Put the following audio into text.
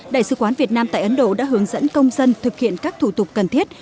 đại sứ quán việt nam tại ấn độ đã hướng dẫn công dân thực hiện các thủ tục cần thiết